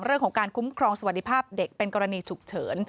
เรื่องของการคุ้มครองสวัสดิภาพเด็กเป็นกรณีฉุกเฉิน